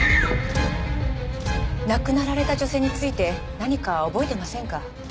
亡くなられた女性について何か覚えてませんか？